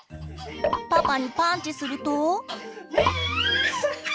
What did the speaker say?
パパにパンチすると。